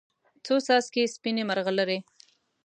څو څاڅکي سپینې، مرغلرې